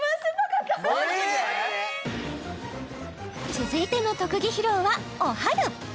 続いての特技披露はおはる